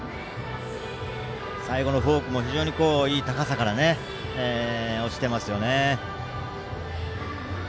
最後のフォークも非常にいい高さから落ちてますよね。